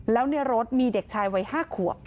แล้วในรถมีเด็กชายวัย๕ขวบ